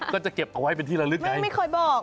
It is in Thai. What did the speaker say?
ก็จะเก็บเอาไว้เป็นที่ละลึกไงไม่เคยบอก